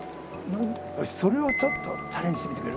よしそれをちょっとチャレンジしてみてくれる？